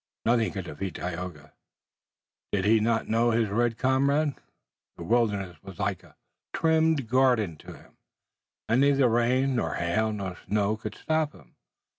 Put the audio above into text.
Nothing could defeat Tayoga. Did he not know his red comrade? The wilderness was like a trimmed garden to him, and neither rain, nor hail, nor snow could stop him.